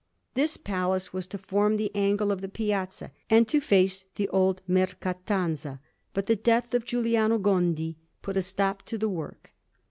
This palace was to form the angle of the piazza and to face the old Mercatanzia; but the death of Giuliano Gondi put a stop to the work.